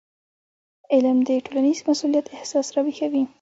علم د ټولنیز مسؤلیت احساس راویښوي.